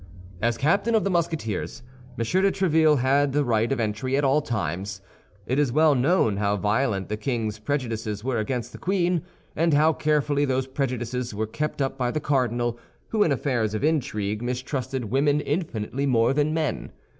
As captain of the Musketeers, M. de Tréville had the right of entry at all times. It is well known how violent the king's prejudices were against the queen, and how carefully these prejudices were kept up by the cardinal, who in affairs of intrigue mistrusted women infinitely more than men.